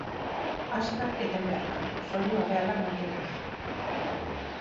Azkar eten behar da, soinu errealak mantenduz.